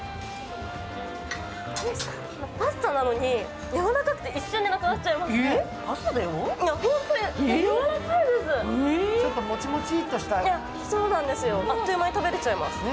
パスタなのに柔らかくて一瞬でなくなっちゃいますね。